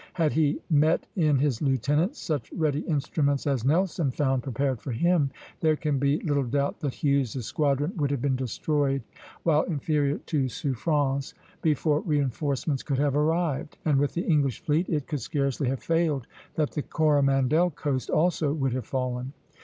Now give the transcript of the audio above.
Had he met in his lieutenants such ready instruments as Nelson found prepared for him, there can be little doubt that Hughes's squadron would have been destroyed while inferior to Suffren's, before reinforcements could have arrived; and with the English fleet it could scarcely have failed that the Coromandel coast also would have fallen.